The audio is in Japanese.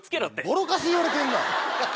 ボロカス言われてんな。